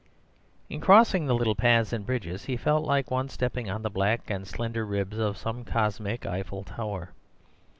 "In crossing the little paths and bridges he felt like one stepping on the black and slender ribs of some cosmic Eiffel Tower.